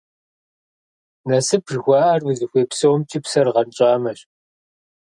Насып жыхуаӀэр узыхуей псомкӀи псэр гъэнщӀамэщ.